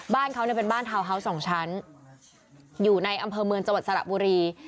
บ้านเขาเนี่ยเป็นบ้านทาวน์ฮาวส์๒ชั้นอยู่ในอำเภอเมืองจังหวัดสระบุรี